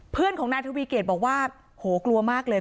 เพื่อนของนายทวีเกตบอกว่าโหกลัวมากเลย